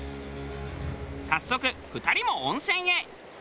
早速２人も温泉へ。